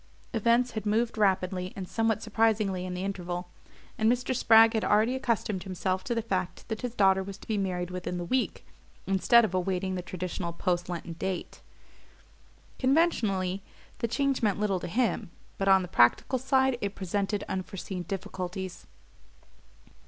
Events had moved rapidly and somewhat surprisingly in the interval, and Mr. Spragg had already accustomed himself to the fact that his daughter was to be married within the week, instead of awaiting the traditional post Lenten date. Conventionally the change meant little to him; but on the practical side it presented unforeseen difficulties.